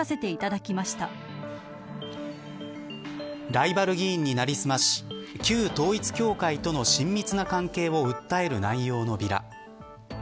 ライバル議員になりすまし旧統一教会との親密な関係を訴える内容のビラ。